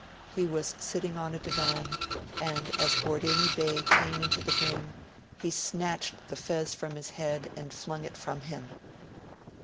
He was sitting on a divan, and, as Bordeini Bey came into the room, he snatched the fez from his head and flung it from him.